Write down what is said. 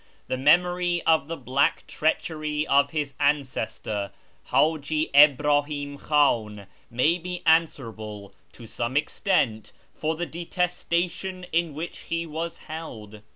The memory of the black treachery of his ancestor, Huji Ibr; iliim Khan, may be answerable to some extent for the detestation in which he was held.